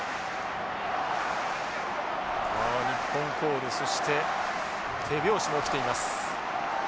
あ日本コールそして手拍子も起きています。